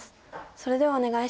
それではお願いします。